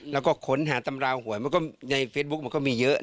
แล้วก็ค้นหาตำราหวยมันก็ในเฟซบุ๊กมันก็มีเยอะ